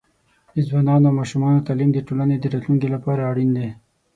د ځوانانو او ماشومانو تعليم د ټولنې د راتلونکي لپاره اړین دی.